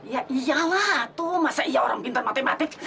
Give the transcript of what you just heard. ya iyalah tuh masa iya orang pintar matematik